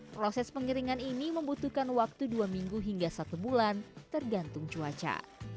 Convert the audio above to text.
proses pengiringan ini membutuhkan waktu dua minggu hingga satu bulan tergantung cuaca